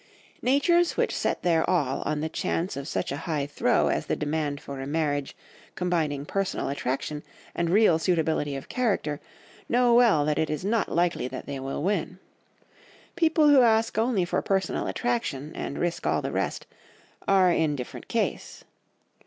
'" Natures which set their all on the chance of such a high throw as the demand for a marriage combining personal attraction and real suitability of character, know well that it is not likely that they will win; people who ask only for personal attraction, and risk all the rest, are in different case.